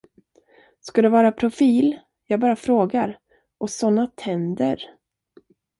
Ska det vara profil, jag bara frågar, och såna tänder!